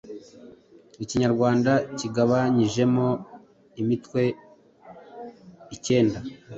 Ikinyarwanda kigabanyijemo imitwe ikenda